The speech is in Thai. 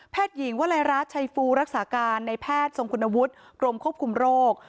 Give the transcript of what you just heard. หญิงวลัยราชชัยฟูรักษาการในแพทย์ทรงคุณวุฒิกรมควบคุมโรค